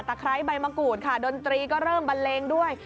ไคร้ใบมะกรูดค่ะดนตรีก็เริ่มบันเลงด้วย